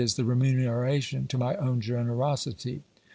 the remuneration to my own generosity.